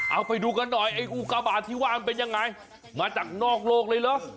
เอาไปดูกันหน่อยไอ้อุกาบาทที่ว่ามันเป็นยังไงมาจากนอกโลกเลยเหรอ